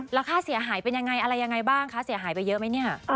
แล้วค่าเสียหายเป็นยังไงอะไรยังไงบ้างคะเสียหายไปเยอะไหมเนี่ย